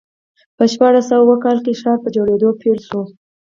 په شپاړس سوه اووه کال کې ښار په جوړېدو پیل شو.